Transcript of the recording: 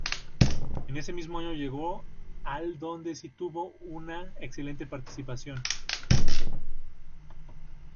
En ese mismo año llegó al donde si tuvo una excelente participación.